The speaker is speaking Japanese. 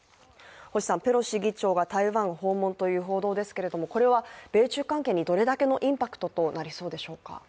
ペロシ議長が台湾訪問という報道ですけどもこれは米中関係にどれだけのインパクトとなりそうでしょうか？